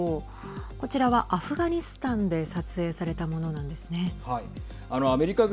こちらはアフガニスタンで撮影されたものなんですね。